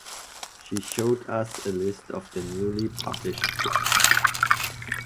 She showed us a list of the newly published books.